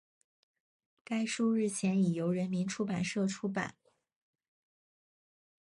该书日前已由人民出版社出版